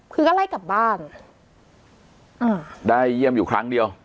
คือก็ไล่กลับบ้านอ่าได้เยี่ยมอยู่ครั้งเดียว